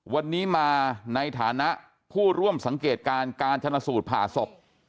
วันนี้มาในฐานะผู้ร่วมสังเกตการณ์การชนะสูตรผ่าศพ